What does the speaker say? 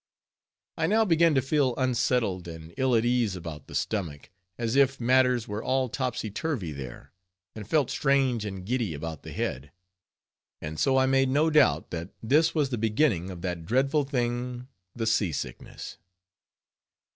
I now began to feel unsettled and ill at ease about the stomach, as if matters were all topsy turvy there; and felt strange and giddy about the head; and so I made no doubt that this was the beginning of that dreadful thing, the sea sickness.